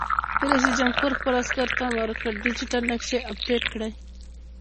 رئیس جمهور خپلو عسکرو ته امر وکړ؛ ډیجیټل نقشې اپډېټ کړئ!